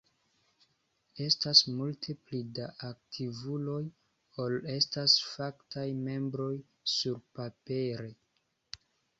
Estas multe pli da aktivuloj ol estas faktaj membroj surpapere.